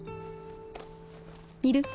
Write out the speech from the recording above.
いる？